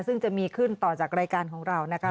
ซึ่งจะมีขึ้นต่อจากรายการของเรานะคะ